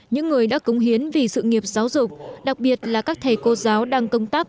những người đã cống hiến vì sự nghiệp giáo dục đặc biệt là các thầy cô giáo đang công tác